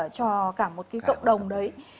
cho cả một cộng đồng đấy